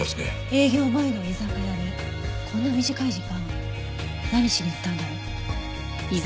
営業前の居酒屋にこんな短い時間何しに行ったんだろう？